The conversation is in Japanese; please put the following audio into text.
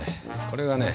これがね